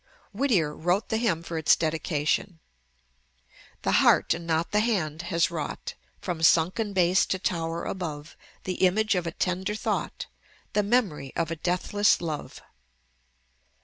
Whittier wrote the hymn for its dedication: "The heart, and not the hand, has wrought, From sunken base to tower above, The image of a tender thought, The memory of a deathless love."